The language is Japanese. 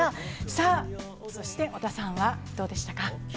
さぁ、そして織田さんはどうでしたか？